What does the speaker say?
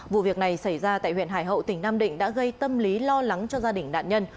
vụ việc này xảy ra tại huyện hải hậu tỉnh nam định đã gây tâm lý lo lắng cho gia đình nạn nhân